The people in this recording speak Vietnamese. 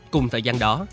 cùng thời gian đó